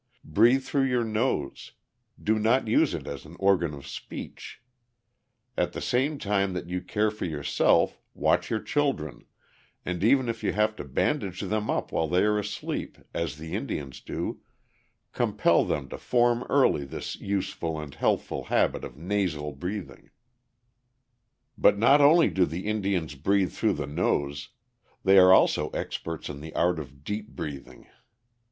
Breathe through your nose; do not use it as an organ of speech. At the same time that you care for yourself, watch your children, and even if you have to bandage them up while they are asleep, as the Indians do, compel them to form early this useful and healthful habit of nasal breathing. [Illustration: INDIAN SHOWING EFFECT OF DEEP BREATHING IN WONDERFUL LUNG DEVELOPMENT]. But not only do the Indians breathe through the nose: they are also experts in the art of deep breathing.